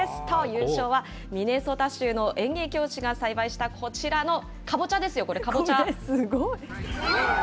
優勝は、ミネソタ州の園芸教師が栽培したこちらの、カボチャですよ、これ、カボチャ。